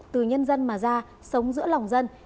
từ nhân dân mà ra sống giữa lòng dân